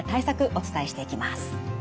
お伝えしていきます。